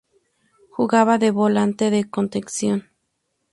Jugaba de volante de contención.